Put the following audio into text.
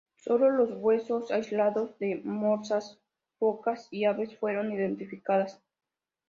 Sólo los huesos aislados de morsas, focas y aves fueron identificadas.